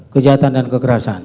kejahatan dan kekerasan